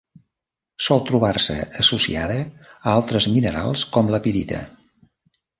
Sol trobar-se associada a altres minerals com la pirita.